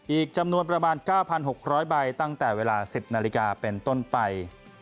อีกจำนวนประมาณ๙๖๐๐ใบตั้งแต่เวลา๑๐นาฬิกาเป็นต้นไป